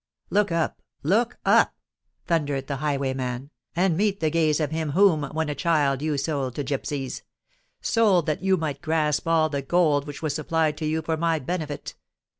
"Look up—look up!" thundered the highwayman; "and meet the gaze of him whom, when a child, you sold to gipsies—sold, that you might grasp all the gold which was supplied to you for my benefit!